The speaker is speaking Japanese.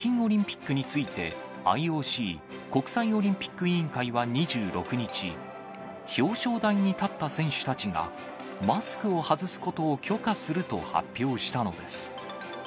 しかし、北京オリンピックについて、ＩＯＣ・国際オリンピック委員会は２６日、表彰台に立った選手たちがマスクを外すことを許可すると発表したのです。